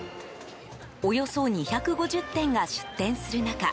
およそ２５０店が出店する中